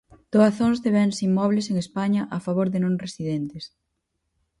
Doazóns de bens inmobles en España a favor de non residentes.